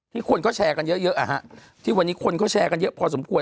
คนก็แชร์กันเยอะที่วันนี้คนเขาแชร์กันเยอะพอสมควร